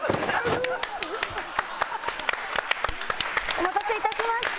お待たせいたしました。